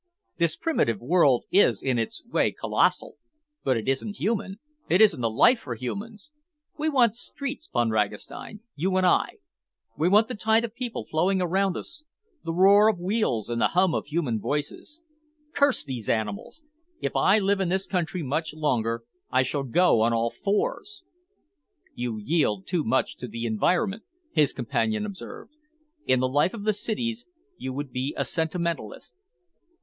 This primitive world is in its way colossal, but it isn't human, it isn't a life for humans. We want streets, Von Ragastein, you and I. We want the tide of people flowing around us, the roar of wheels and the hum of human voices. Curse these animals! If I live in this country much longer, I shall go on all fours." "You yield too much to environment," his companion observed. "In the life of the cities you would be a sentimentalist."